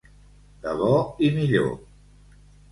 De bo i millor.